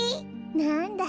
なんだ。